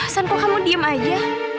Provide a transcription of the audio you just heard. san kok kamu diem aja